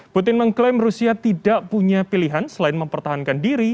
putin mengklaim rusia tidak punya pilihan selain mempertahankan diri